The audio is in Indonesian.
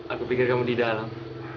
aku pikir kamu di dalam